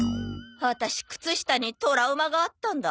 ワタシ靴下にトラウマがあったんだ。